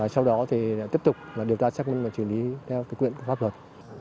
sau đó tiếp tục điều tra xác minh và chuyển lý theo quyền pháp luật